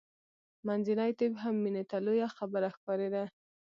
منځنی طب هم مینې ته لویه خبره ښکارېده